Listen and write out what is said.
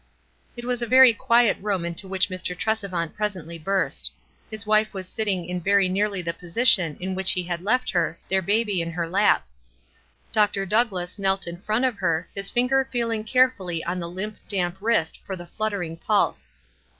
It was a very quiet room into which Mr* Trescvant presently burst. His wife was sit ting in very nearly the position in which he had left her, their baby in her lap. Dr. Douglass knelt in front of her, his finger feeling carefully on the limp, damp wrist for the fluttering pulse.